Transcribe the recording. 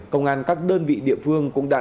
công an các đơn vị địa phương cũng đã